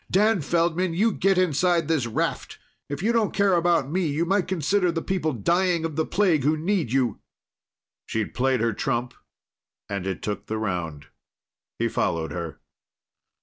"Dan Feldman, you get inside this raft! If you don't care about me, you might consider the people dying of the plague who need you!" She'd played her trump, and it took the round. He followed her.